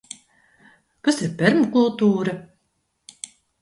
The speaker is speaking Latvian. Kas ir permakultūra?